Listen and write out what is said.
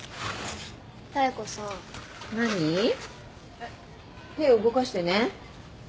えっ手動かしてね。